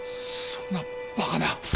そんなバカな。